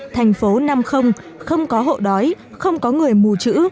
thành phố năm không có hộ đói không có người mù chữ